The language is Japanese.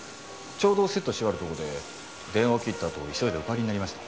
ちょうどセットし終わるところで電話を切ったあと急いでお帰りになりました。